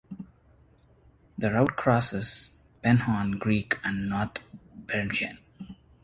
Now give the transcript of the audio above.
The route crosses the Penhorn Creek into North Bergen.